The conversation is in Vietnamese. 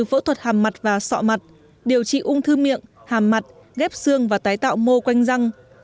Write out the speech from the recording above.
phẫu thuật hàm mặt và sọ mặt điều trị ung thư miệng hàm mặt ghép xương và tái tạo mô quanh răng